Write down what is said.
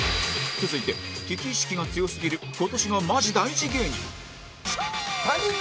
続いて危機意識が強すぎる今年がマジ大事芸人